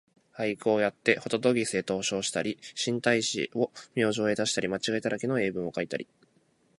俳句をやってほととぎすへ投書をしたり、新体詩を明星へ出したり、間違いだらけの英文をかいたり、